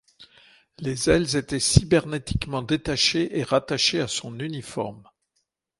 Les ailes étaient cybernétiquement détachées et rattachées à son uniforme.